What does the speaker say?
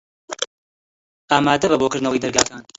ئامادە بە بۆ کردنەوەی دەرگاکان.